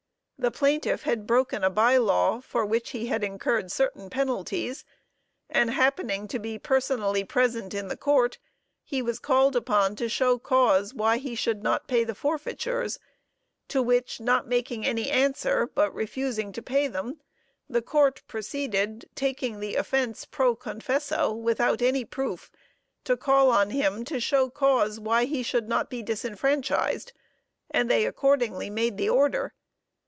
The plaintiff had broken a by law, for which he had incurred certain penalties, and happening to be personally present in the court, he was called upon to show cause why he should not pay the forfeitures; to which not making any answer, but refusing to pay them, the court proceeded, taking the offense pro confesso, without any proof, to call on him to show cause why he should not be disfranchised; and they accordingly made the order.